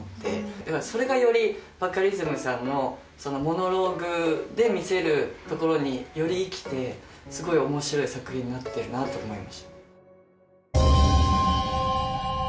だからそれがよりバカリズムさんのモノローグで見せるところにより生きてすごい面白い作品になってるなと思いました。